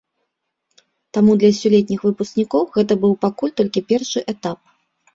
Таму для сёлетніх выпускнікоў гэта быў пакуль толькі першы этап.